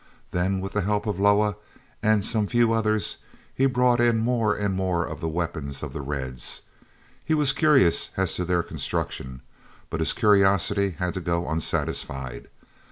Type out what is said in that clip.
Then, with the help of Loah and some few of the others, he brought in more and more weapons of the Reds. He was curious as to their construction, but his curiosity had to go unsatisfied.